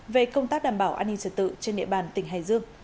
về công tác đảm bảo an ninh trật tự trên địa bàn tỉnh hải dương